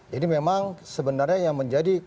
jadi memang sebenarnya yang menarik